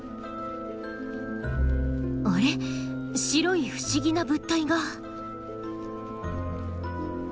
白い不思議な物体が。